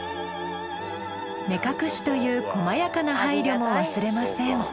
目隠しという細やかな配慮も忘れません。